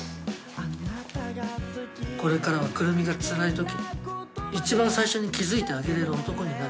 これからは久留美がつらいとき一番最初に気付いてあげれる男になる。